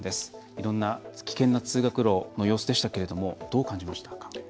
いろんな危険な通学路の様子でしたけれどもどう感じましたか。